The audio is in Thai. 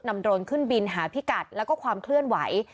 โดรนขึ้นบินหาพิกัดแล้วก็ความเคลื่อนไหว